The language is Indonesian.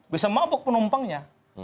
bisa mabuk penumpangnya